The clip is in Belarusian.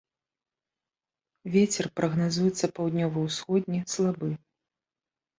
Вецер прагназуецца паўднёва-ўсходні слабы.